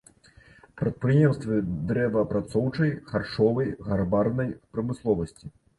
Прадпрыемствы дрэваапрацоўчай, харчовай, гарбарнай прамысловасці.